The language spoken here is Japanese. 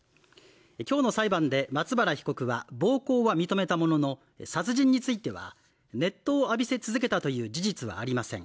今日の裁判で松原被告は暴行は認めたものの殺人については、熱湯を浴びせ続けたという事実はありません